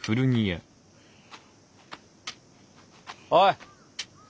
おい。